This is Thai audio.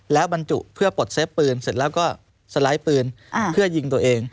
แล้วบรรจุเพื่อปลดเซฟปืนเสร็จแล้วก็สไลด์ปืนเพื่อยิงตัวเอง